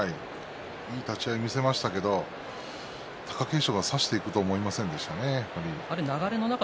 いい立ち合いを見せましたけど、貴景勝が差していくとは思いませんでしたね。